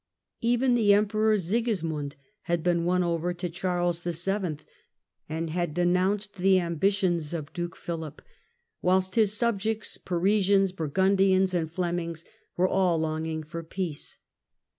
Even the Emperor Sigismund had been won over to Charles VII. and had denounced the ambitions of Duke Philip ; whilst his subjects, Parisians, Burgundians and Flemings, were all longing for peace.